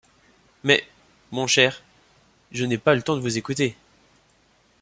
Mais, mon cher, je n’ai pas le temps de vous écouter.